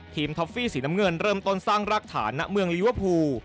ท็อฟฟี่สีน้ำเงินเริ่มต้นสร้างรากฐานณเมืองลิเวอร์พูล